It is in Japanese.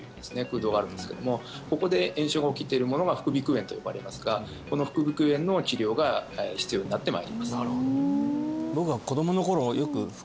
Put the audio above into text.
空洞があるんですけどもここで炎症が起きているものが副鼻腔炎と呼ばれますがこの副鼻腔炎の治療が必要になってまいります